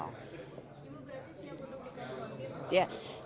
ibu berarti siap untuk dikadut